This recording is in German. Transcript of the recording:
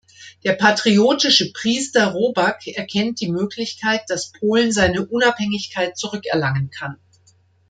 Der patriotische Priester Robak erkennt die Möglichkeit, dass Polen seine Unabhängigkeit zurückerlangen kann.